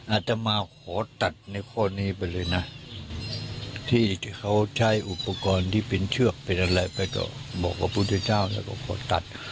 อาจจะมาขอตัดในข้อนี้ไปเลยนะที่เขาใช้อุปกรณ์ที่เป็นเชือกเป็นอะไรไปก็บอกกับพุทธเจ้าแล้วก็ขอตัด